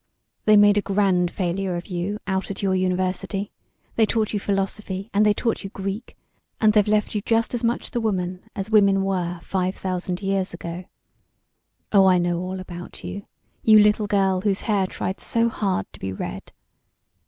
They made a grand failure of you out at your university; they taught you philosophy and they taught you Greek, and they've left you just as much the woman as women were five thousand years ago. Oh, I know all about you you little girl whose hair tried so hard to be red.